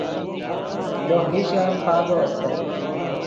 لوہ میشن پادو استت